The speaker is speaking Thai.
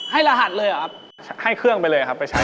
ให้รหัสเลยหรือครับ